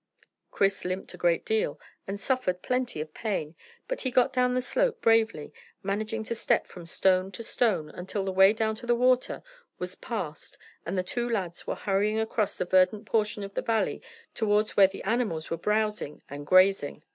Chris limped a great deal, and suffered plenty of pain, but he got down the slope bravely, managing to step from stone to stone until the way down to the water was passed and the two lads were hurrying across the verdant portion of the valley towards where the animals were browsing and grazing.